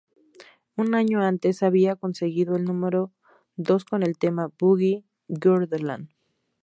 Un año antes habían conseguido el número dos con el tema "Boogie Wonderland".